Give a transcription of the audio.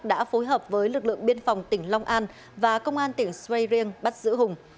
đã phối hợp với lực lượng biên phòng tỉnh long an và công an tp suray rien bắt giữ hùng